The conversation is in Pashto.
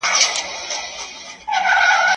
زه مينه نه څرګندوم!.